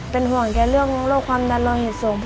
เป็นห่วงแกเรื่องโรคความดันโลหิตสูง